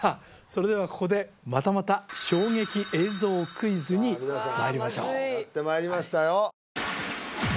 それではここでまたまた衝撃映像クイズにまいりましょうやってまいりましたよ